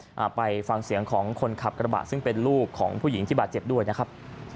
เอาไปฟังเสียงของคนขับกระบะซึ่งเป็นลูกของผู้หญิงที่บาดเจ็บด้วยนะครับ